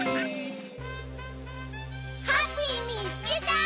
ハッピーみつけた！